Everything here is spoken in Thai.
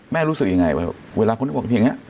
แม่รู้สึกยังไงเวลาคนเขาบอกอย่างเงี้ย